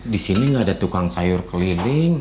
disini gak ada tukang sayur keliling